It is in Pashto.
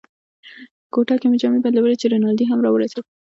کوټه کې مې جامې بدلولې چې رینالډي هم را ورسېد.